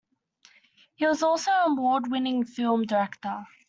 He was also an award-winning film director.